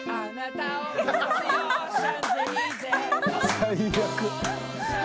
・最悪。